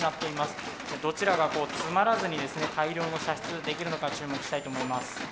どちらが詰まらずに大量の射出できるのか注目したいと思います。